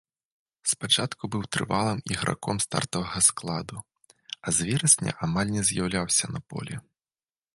Спачатку быў трывалым іграком стартавага складу, а з верасня амаль не з'яўляўся на полі.